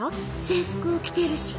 制服着てるし。